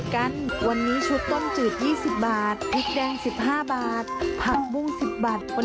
ขัวไม่เกิน๑๐๐บาท